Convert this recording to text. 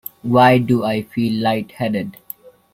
Why do I feel light-headed?